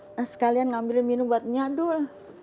nggak usah sekalian ngambil minum buat nya dul